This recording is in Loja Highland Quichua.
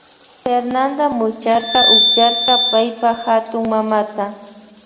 Fernanda mucharka ukllarka paypa hatunmamata.